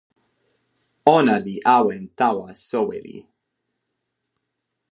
ona li awen tawa soweli.